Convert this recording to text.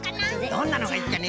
どんなのがいいかね？